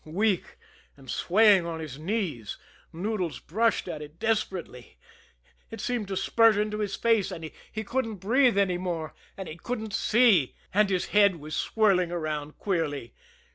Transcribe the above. Weak, and swaying on his knees, Noodles brushed at it desperately. It seemed to spurt into his face, and he couldn't breathe any more, and he couldn't see, and his head was swirling around queerly.